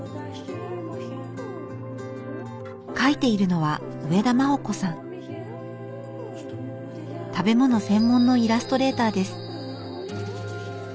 描いているのは食べ物専門のイラストレーターです。